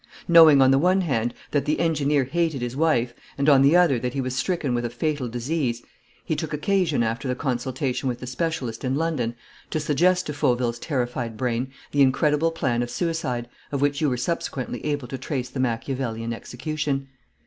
Knowing on the one hand that the engineer hated his wife and on the other that he was stricken with a fatal disease, he took occasion, after the consultation with the specialist in London, to suggest to Fauville's terrified brain the incredible plan of suicide of which you were subsequently able to trace the Machiavellian execution.